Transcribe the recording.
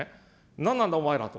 なんなんだお前ら、と。